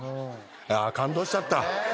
感動しちゃった。